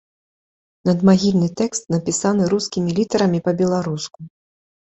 Надмагільны тэкст напісаны рускімі літарамі па-беларуску.